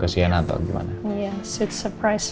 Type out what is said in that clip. kesian atau gimana ya sweet surprise